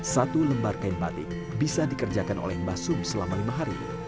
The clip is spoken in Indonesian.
satu lembar kain batik bisa dikerjakan oleh mbah sum selama lima hari